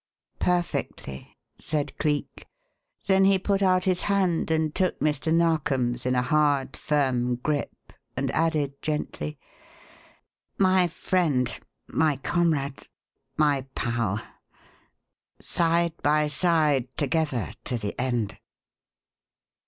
"Perfectly," said Cleek; then he put out his hand and took Mr. Narkom's in a hard, firm grip, and added, gently: "My friend, my comrade, my pal! Side by side together to the end."